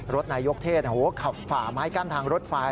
นายกเทศขับฝ่าไม้กั้นทางรถไฟ